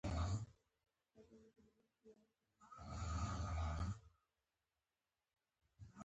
فیسبوک او یوټیوب بند دي.